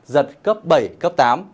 giật cấp bảy cấp tám